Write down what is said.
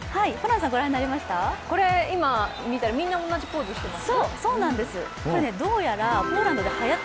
これ、みんな同じポーズしてます？